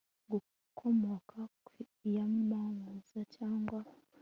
gukomoka ku iyamamaza cyangwa